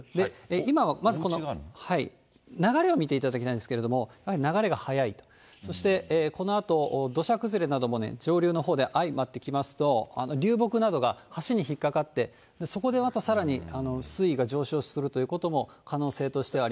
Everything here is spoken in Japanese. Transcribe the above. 今はまず、流れを見ていただきたいんですけど、流れが速い、そしてこのあと土砂崩れなども上流のほうであいまってきますと、流木などが橋に引っかかって、そこでまたさらに水位が上昇するということも可能性としてはあり